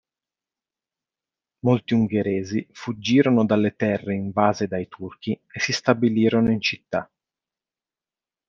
Molti ungheresi fuggirono dalle terre invase dai Turchi e si stabilirono in città.